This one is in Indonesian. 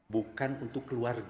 bukan untuk keluarga